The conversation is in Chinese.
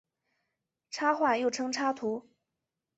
插画又称插图。